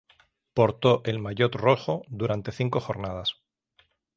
Portó el maillot rojo durante cinco jornadas.